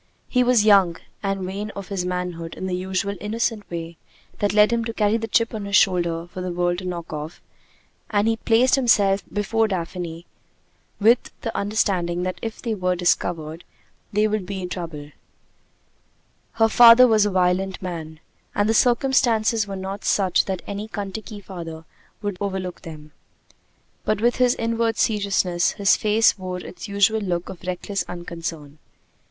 He was young, and vain of his manhood in the usual innocent way that led him to carry the chip on his shoulder for the world to knock off; and he placed himself before Daphne with the understanding that if they were discovered, there would be trouble. Her father was a violent man, and the circumstances were not such that any Kentucky father would overlook them. But with his inward seriousness, his face wore its usual look of reckless unconcern.